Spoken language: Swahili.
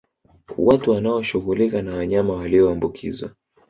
Watu wanaoshughulika na wanyama walioambukizwa